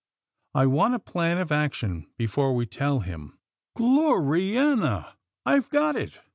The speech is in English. I want a plan of action before we tell him — Gloriana ! I've got it